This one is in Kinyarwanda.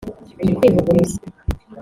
Kwivuguruza